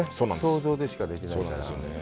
想像でしかできないから。